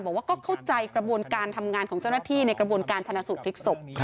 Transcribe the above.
บอกว่าก็เข้าใจกระบวนการทำงานของเจ้าหน้าที่ในกระบวนการชนะสูตรพลิกศพ